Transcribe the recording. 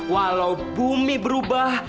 walau bumi berubah